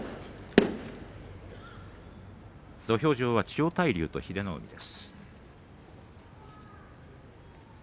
土俵上は千代大龍と英乃海です。